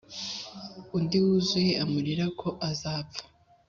undi wuzuye amarira ko azapfa,